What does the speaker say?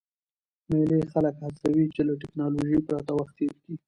مېلې خلک هڅوي، چي له ټکنالوژۍ پرته وخت تېر کي.